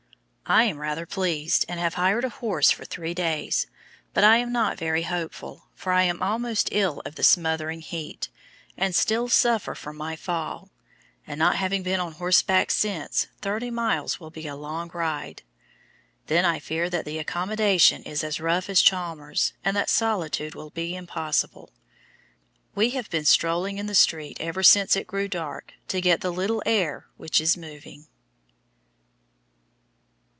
I am rather pleased, and have hired a horse for three days; but I am not very hopeful, for I am almost ill of the smothering heat, and still suffer from my fall, and not having been on horseback since, thirty miles will be a long ride. Then I fear that the accommodation is as rough as Chalmers's, and that solitude will be impossible. We have been strolling in the street every since it grew dark to get the little air which is moving.